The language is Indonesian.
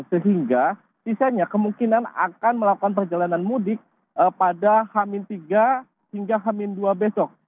sehingga sisanya kemungkinan akan melakukan perjalanan mudik pada hamin tiga hingga hamin dua besok